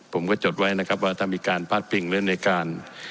ผมก็จดไว้นะครับว่าถ้ามีการพาดพิงเรื่องในการ